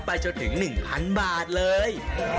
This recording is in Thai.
ไปจนถึงหนึ่งพันบาทเลย